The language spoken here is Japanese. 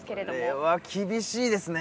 これは厳しいですね。